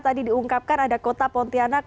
tadi diungkapkan ada kota pontianak